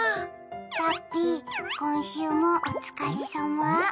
ラッピー、今週もお疲れさま。